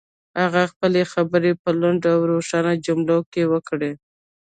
هغه خپلې خبرې په لنډو او روښانه جملو کې وکړې.